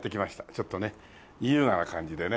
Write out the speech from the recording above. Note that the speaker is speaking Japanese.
ちょっとね優雅な感じでね。